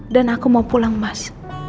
dan aku mau pulang mas